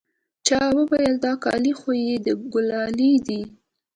چا وويل دا كالي خو يې د ګلالي دي.